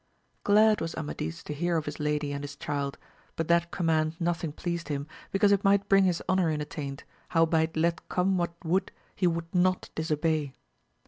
Glad was Amadis to hear of his lady and his child, but that command nothing pleased him, because it might bring his honour in attaint, howbeit let come what would he would not disobey.